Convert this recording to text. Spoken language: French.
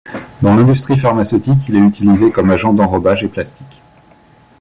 Dans l'industrie pharmaceutique, il est utilisé comme agent d'enrobage et plastique.